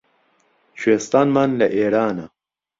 کوێستانمان لە ئێرانە